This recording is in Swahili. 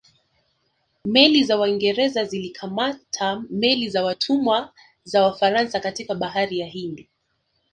Meli za Waingereza zilikamata meli za watumwa za Wafaransa katika bahari ya Hindi